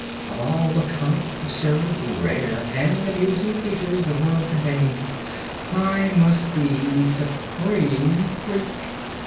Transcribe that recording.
Of all the comic, absurd, rare and amusing creatures the world contains, I must be the supreme freak.